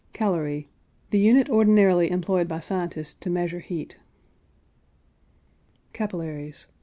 CALORIE. The unit ordinarily employed by scientists to measure heat. CAPILLARIES.